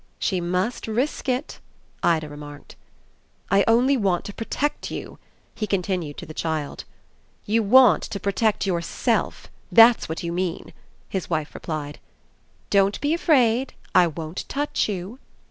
"She must risk it," Ida remarked. "I only want to protect you," he continued to the child. "You want to protect yourself that's what you mean," his wife replied. "Don't be afraid. I won't touch you."